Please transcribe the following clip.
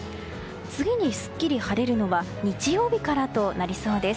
次にすっきり晴れるのは日曜日からとなりそうです。